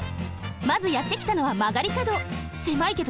まずやってきたのはまがりかど。